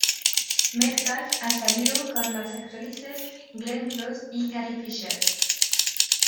Metcalf ha salido con las actrices Glenn Close y Carrie Fisher.